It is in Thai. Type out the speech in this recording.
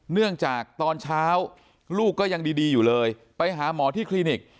เนื่องจากตอนเช้าลูกก็ยังดีอยู่เลยไปหาหมอที่คลินิก